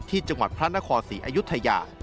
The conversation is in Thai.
ที่จังหวัดพระนครศรีอยุธยา